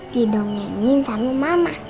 didongengin sama mama